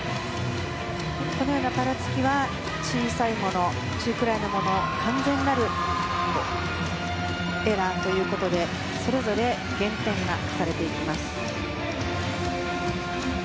このようなばらつきは小さいもの、中くらいのもの完全なるエラーということでそれぞれ減点がされていきます。